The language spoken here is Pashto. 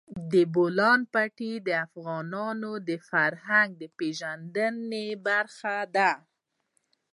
د بولان پټي د افغانانو د فرهنګي پیژندنې برخه ده.